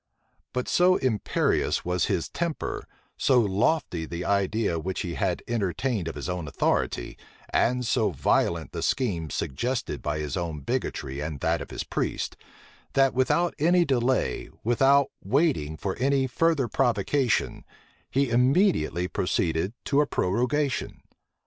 But so imperious was his temper, so lofty the idea which he had entertained of his own authority, and so violent the schemes suggested by his own bigotry and that of his priests, that, without any delay, without waiting for any further provocation, he immediately proceeded to a prorogation.